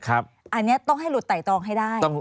อันนี้ต้องให้หลุดไต่ตองให้ได้